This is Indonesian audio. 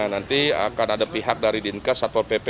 nanti akan ada pihak dari dinkes atau pp